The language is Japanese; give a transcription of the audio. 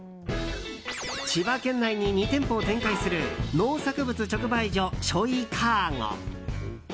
千葉県内に２店舗を展開する農産物直売所しょいかご。